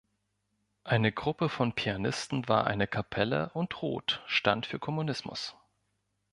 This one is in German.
Eine Gruppe von Pianisten war eine "Kapelle", und "rot" stand für Kommunismus.